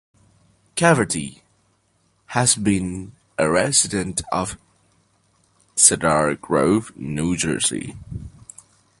Cafferty has been a resident of Cedar Grove, New Jersey.